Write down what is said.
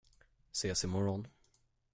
Ses i morgon.